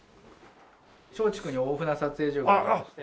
松竹に大船撮影所がありまして。